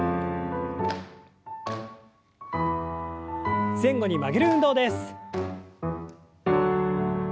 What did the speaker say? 前後に曲げる運動です。